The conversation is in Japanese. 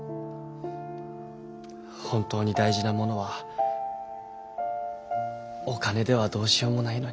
本当に大事なものはお金ではどうしようもないのに。